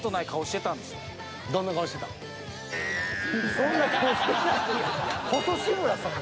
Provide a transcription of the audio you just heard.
そんな顔してない！